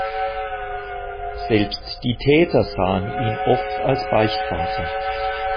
Selbst die Täter sahen ihn oft als Beichtvater.